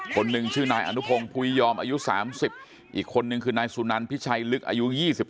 คนหนึ่งชื่อนายอนุพงศ์ภุยยอมอายุ๓๐อีกคนนึงคือนายสุนันพิชัยลึกอายุ๒๓